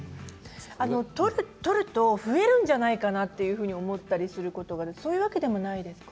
取ると増えるんじゃないかと思ったりすることがあるんですがそういうことはないんですか。